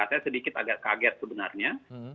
saya sedikit agak kaget sebenarnya